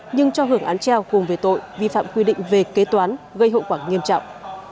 nhưng cho hưởng án treo cùng về tội vi phạm quy định về kế toán gây hậu quả nghiêm trọng